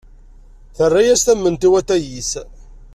Terra-as tamemt i watay-is.